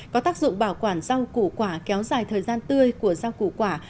có tác dụng bảo quản rau củ quả kéo dài thời gian tươi của rau củ quả